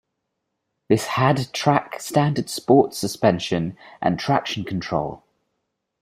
This had track standard sports suspension and traction control.